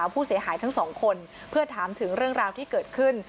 ผู้เสียหายทั้งสองคนเพื่อถามถึงเรื่องราวที่เกิดขึ้น